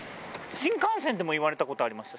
新幹線でも言われた事ありました。